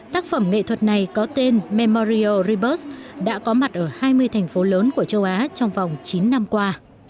tác phẩm nghệ thuật này có tên memorio rebus đã có mặt ở hai mươi thành phố lớn của châu á trong vòng chín năm qua